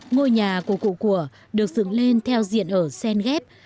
ngôi nhà của cụ của được dựng lên theo diện ở sen ghép